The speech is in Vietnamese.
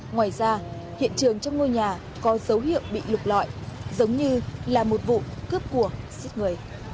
ngoài ra hiện trường trong ngôi nhà có dấu hiệu bị lục lọi giống như là một vụ cướp của giết người